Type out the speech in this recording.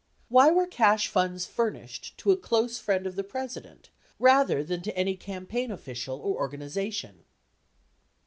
Wiry were cash funds furnished to a close friend of the President rather than to any campaign official or organization?